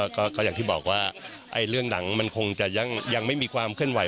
ก็อย่างที่บอกว่าเรื่องหนังมันคงจะยังไม่มีความเคลื่อนไห